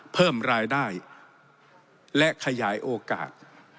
เพิ่มรายได้และขยายโอกาส